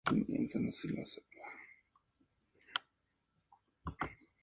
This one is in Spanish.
Sus padres fueron Josefa Pino y Ángel Peralta.